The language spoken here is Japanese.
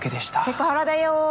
セクハラだよ。